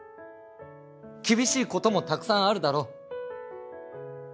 厳しいこともたくさんあるだろう